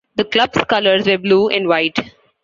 The club's colors were blue and white.